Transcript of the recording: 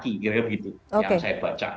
main dua kaki kira kira gitu yang saya baca